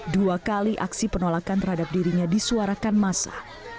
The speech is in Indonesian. dua kali aksi penolakan terhadap dirinya disuarakan masa